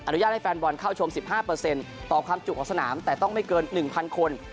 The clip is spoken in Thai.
อุญาตให้แฟนบอลเข้าชม๑๕ต่อความจุของสนามแต่ต้องไม่เกิน๑๐๐คน